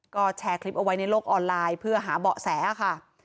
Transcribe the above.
ก็แชร์คลิปเอาไว้ในโลกออนไลน์เพื่อหาเบาะแสค่ะ